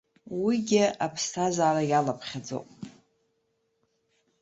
Уигьы аԥсҭазаара иалаԥхьаӡоуп.